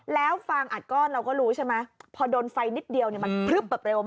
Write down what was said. แล้วฟางอัดก้อนเราก็รู้ใช่ไหมพอโดนไฟนิดเดียวมันพลึบแบบเร็ว